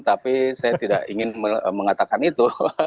tapi saya tidak ingin mengatakan itu